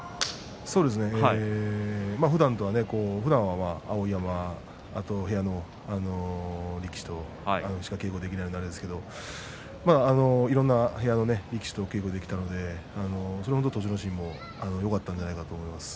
そうですね。ふだんは、碧山あと部屋の力士としか稽古できないんですけれどいろいろな部屋の力士と稽古できたので栃ノ心もよかったんじゃないかと思います。